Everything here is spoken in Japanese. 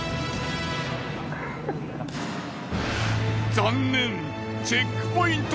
残念チェックポイント